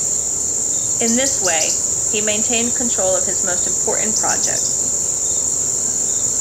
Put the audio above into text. In this way, he maintained control of his most important projects.